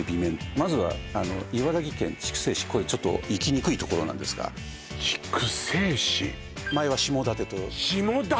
まずは茨城県筑西市これちょっと行きにくい所なんですが筑西市前は下館と下館！